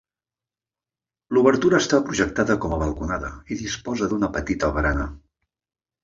L'obertura està projectada com a balconada i disposa d'una petita barana.